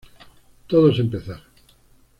Todo es empezar".